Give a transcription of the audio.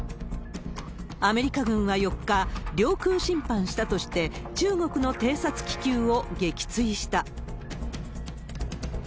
アメリカ軍は４日、領空侵犯したとして、中国の偵察気球を撃墜した。